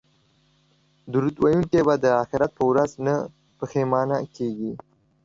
درود ویونکی به د اخرت په ورځ نه پښیمانه کیږي